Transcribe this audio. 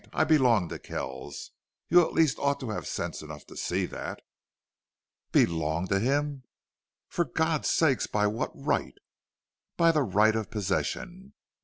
I belong to Kells. You at least ought to have sense enough to see that." "Belong to him!... For God's sake! By what right?" "By the right of possession.